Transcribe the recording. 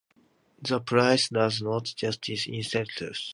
The price does not justify itself.